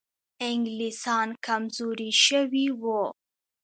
انګلیسان کمزوري شوي وو.